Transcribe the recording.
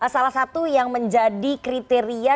salah satu yang menjadi kriteria